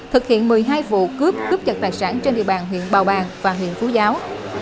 thực hiện một mươi hai vụ cướp cướp giật tài sản trên địa bàn huyện bào bàng và huyện phú giáo